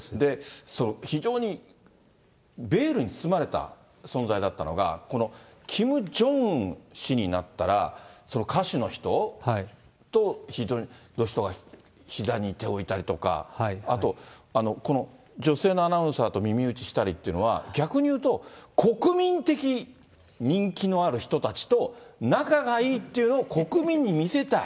非常にベールに包まれた存在だったのが、このキム・ジョンウン氏になったら、歌手の人とひざに手を置いたりとか、あと、この女性のアナウンサーと耳打ちしたりっていうのは、逆に言うと、国民的人気のある人たちと仲がいいというのを国民に見せたい？